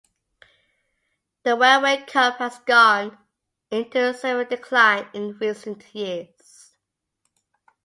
The Railway Cup has gone into severe decline in recent years.